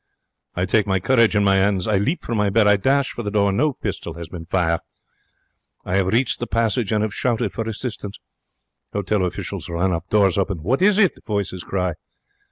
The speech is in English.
I take my courage in my 'ands. I leap from my bed. I dash for the door. No pistol has been fire. I have reached the passage, and have shouted for assistance. Hotel officials run up. Doors open. 'What is it?' voices cry.